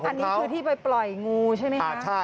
อันนี้คือที่ไปปล่อยงูใช่ไหมคะ